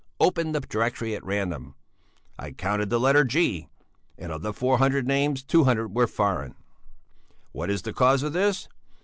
Open the directory at random! I counted the letter G, and of four hundred names two hundred were foreign. "What is the cause of this?